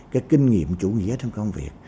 cái kinh nghiệm chủ nghĩa trong công việc